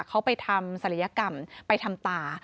เขาไปทำศัลยกรรมไปทำตา